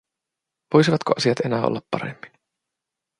Voisivatko asiat enää olla paremmin?